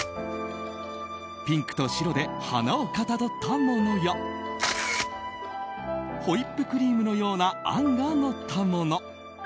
ピンクと白で花をかたどったものやホイップクリームのようなあんがのったもの。